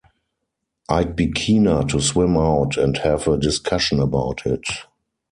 I'd be keener to swim out and have a discussion about it.